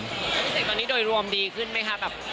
พี่เสกตอนนี้โดยรวมดีขึ้นไหมคะแบบ